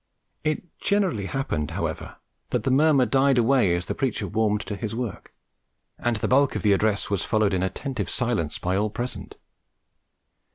It generally happened, however, that the murmur died away as the preacher warmed to his work, and the bulk of the address was followed in attentive silence by all present.